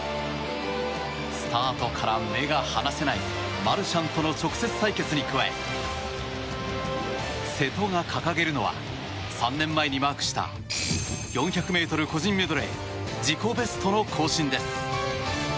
スタートから目が離せないマルシャンとの直接対決に加え瀬戸が掲げるのは３年前にマークした４００ｍ個人メドレー自己ベストの更新です。